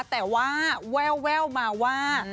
แต่ว่าแววมาว่า